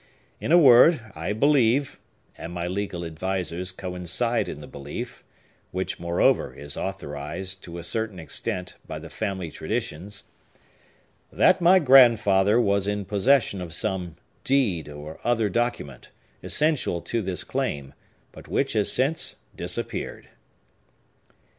In a word, I believe,—and my legal advisers coincide in the belief, which, moreover, is authorized, to a certain extent, by the family traditions,—that my grandfather was in possession of some deed, or other document, essential to this claim, but which has since disappeared."